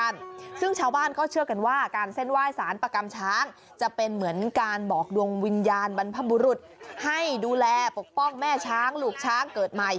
น้องเคยเห็นช้างหรือเปล่าอืม